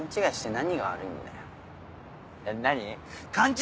何？